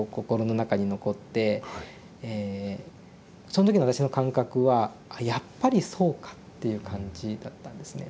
その時の私の感覚は「やっぱりそうか」っていう感じだったんですね。